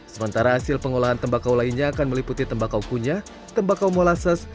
sementara hasil pengolahan tembakau lainnya akan meliputi tembakau kunyah tembakau molasses